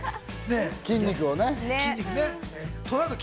筋肉をね。